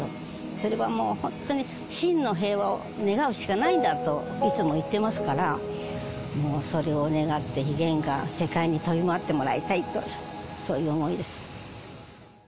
それはもう、本当に真の平和を願うしかないんだと、いつも言ってますから、もうそれを願って、ゲンが世界に飛び回ってもらいたいと、そういう思いです。